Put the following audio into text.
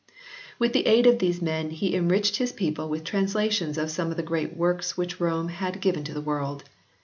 With the aid of these men he enriched his people with translations of some of the great works which Rome had given to the world.